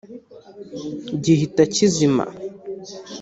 gihita kizima